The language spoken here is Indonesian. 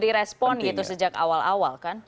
diberi respon gitu sejak awal awal kan